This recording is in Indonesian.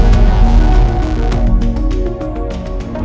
tidak ada yang bisa dikawal